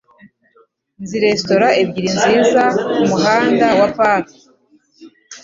Nzi resitora ebyiri nziza kumuhanda wa Park.